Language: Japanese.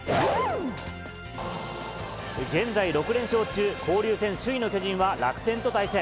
現在６連勝中、交流戦首位の巨人は楽天と対戦。